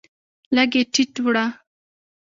لږ یې ټیټه وړه